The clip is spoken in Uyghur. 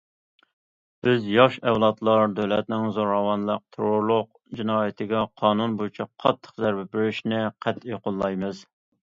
بىز ياش ئەۋلادلار دۆلەتنىڭ زوراۋانلىق، تېررورلۇق جىنايىتىگە قانۇن بويىچە قاتتىق زەربە بېرىشىنى قەتئىي قوللايمىز.